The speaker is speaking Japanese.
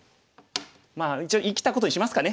まあ一応生きたことにしますかね。